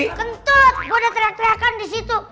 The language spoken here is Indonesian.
kentut gue udah teriak teriakan di situ